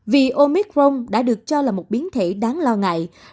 vì omicron đã được cho là một biến thể đáng lo ngại